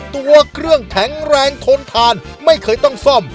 ตัวเครื่องแข็งแรงทนทานไม่เคยต้องซ่อม